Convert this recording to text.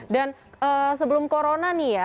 dan sebelum corona nih ya